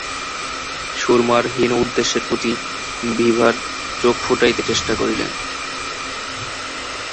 সুরমার হীন উদ্দেশ্যের প্রতি বিভার চোখ ফুটাইতে চেষ্টা করিলেন।